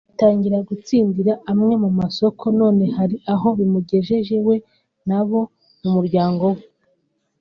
atangira gutsindira amwe mu masoko none hari aho bimugejeje we n’abo mu muryango we